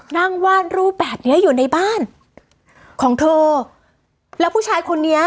นั่งวาดรูปแบบเนี้ยอยู่ในบ้านของเธอแล้วผู้ชายคนนี้